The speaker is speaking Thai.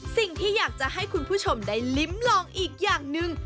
สิ่งที่อยากจะให้คุณผู้ชมได้ลิ้มลองอีกอย่างหนึ่ง